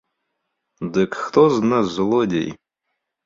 Дык хто з нас злодзей?